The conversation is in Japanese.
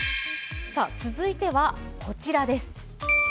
続いてはこちらです。